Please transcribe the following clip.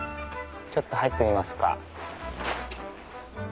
ちょっと入ってみますか。